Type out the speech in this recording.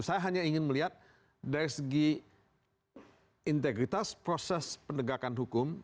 saya hanya ingin melihat dari segi integritas proses penegakan hukum